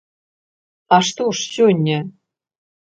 А што ж сёння?